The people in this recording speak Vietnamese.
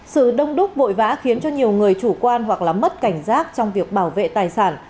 sự đông đúc vội vã khiến cho nhiều người chủ quan hoặc là mất cảnh giác trong việc bảo vệ tài sản